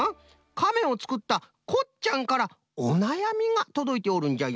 カメをつくったこっちゃんからおなやみがとどいておるんじゃよ。